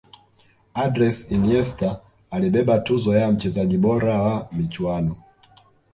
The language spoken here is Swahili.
andres iniesta alibeba tuzo ya mchezaji bora wa michuano